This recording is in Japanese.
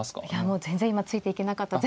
もう全然今ついていけなかった。